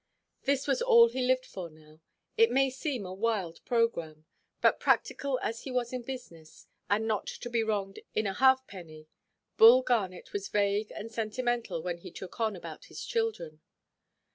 This was all he lived for now. It may seem a wild programme; but, practical as he was in business, and not to be wronged of a halfpenny, Bull Garnet was vague and sentimental when he "took on" about his children.